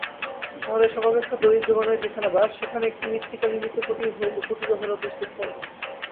শহরের সর্বাপেক্ষা দরিদ্রগণের যেখানে বাস, সেখানে একটি মৃত্তিকা নির্মিত কুটীর ও হল প্রস্তুত কর।